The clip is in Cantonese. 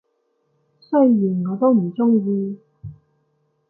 雖然我都唔鍾意